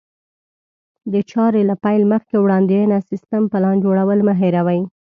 د چارې له پيل مخکې وړاندوینه، سيستم، پلان جوړول مه هېروئ.